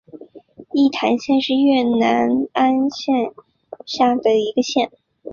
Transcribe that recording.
义坛县是越南乂安省下辖的一个县。